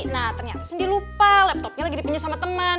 nah ternyata sindi lupa laptopnya lagi dipinjem sama temen